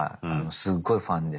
すっごいファンでさ。